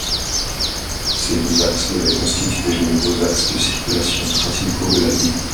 Ces deux axes devaient constituer les nouveaux axes de circulation principaux de la ville.